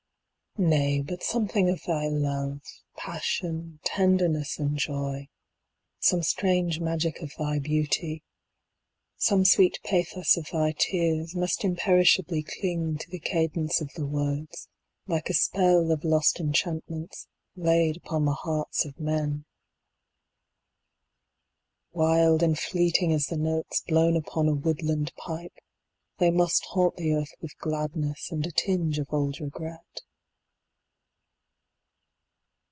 20 Nay, but something of thy love, Passion, tenderness, and joy, Some strange magic of thy beauty, Some sweet pathos of thy tears, Must imperishably cling 25 To the cadence of the words, Like a spell of lost enchantments Laid upon the hearts of men. Wild and fleeting as the notes Blown upon a woodland pipe, 30 They must haunt the earth with gladness And a tinge of old regret.